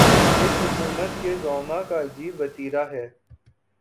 اس حکومت کے زعما کا عجیب وتیرہ ہے۔